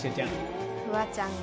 フワちゃんが。